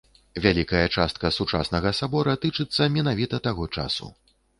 Вялікая частка сучаснага сабора тычыцца менавіта да таго часу.